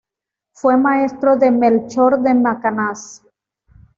Fue maestro de Melchor de Macanaz.